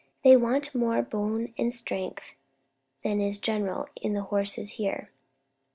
They want more bone and strength than is general in the horses here."